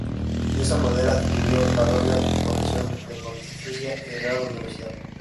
De esta manera adquirió la doble condición de "Pontificia y Real Universidad".